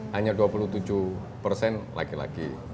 hanya dua puluh tujuh persen laki laki